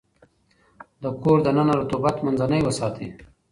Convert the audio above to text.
د کور دننه رطوبت منځنی وساتئ.